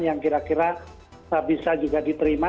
yang kira kira bisa juga diterima